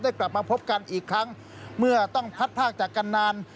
กลับมาพบกันอีกครั้งเมื่อต้องพัดภาคจากกันนาน